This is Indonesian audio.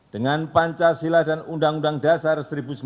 dengan pancasila dan undang undang dasar seribu sembilan ratus empat puluh